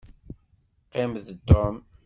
Qqim d Tom.